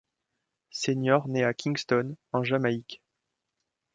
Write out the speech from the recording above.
Senior naît à Kingston, en Jamaïque.